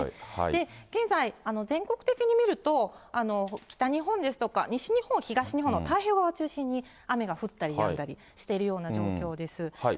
現在、全国的に見ると、北日本ですとか、西日本、東日本の太平洋側を中心に、雨が降ったりやんだりしているような状況です。